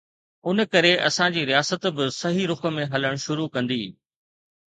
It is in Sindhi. ان ڪري اسان جي رياست به صحيح رخ ۾ هلڻ شروع ڪندي.